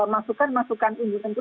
masukan masukan ini tentu